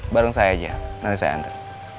bareng saya aja nanti saya antri